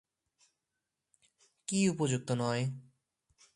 কি উপযুক্ত নয়?